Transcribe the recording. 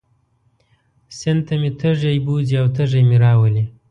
سیند ته مې تږی بوځي او تږی مې راولي.